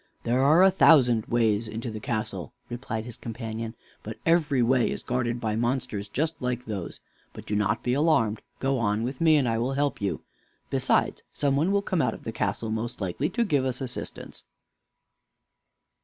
"There are a thousand ways into the castle," replied his companion, "but every way is guarded by monsters just like those. But do not be alarmed. Go on with me, and I will help you. Besides, some one will come out of the castle, most likely, to give us assistance."